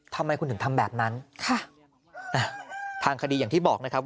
ทำไมคุณถึงทำแบบนั้นค่ะทางคดีอย่างที่บอกนะครับ